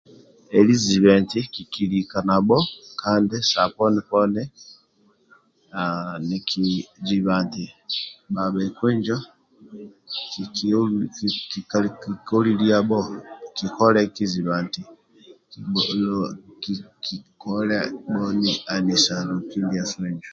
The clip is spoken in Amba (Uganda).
Eli zibe nti kikilika nabho Kandi saha poni poni aha nikijibha nti nabhakpa Injo Kili ka holuliabho nti kikole eki jibha enti ehe kikole bhoni hanisa Loki ndiasu Injo?